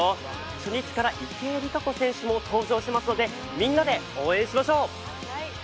初日から池江璃花子選手も登場しますのでみんなで応援しましょう。